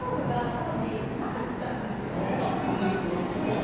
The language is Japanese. こんなに黒くするやつが。